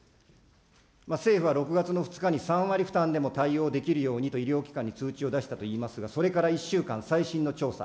政府は６月の２日に３割負担でも対応できるようにと、医療機関に通知を出したといいますが、それから１週間、最新の調査。